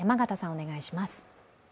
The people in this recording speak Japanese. お願いします。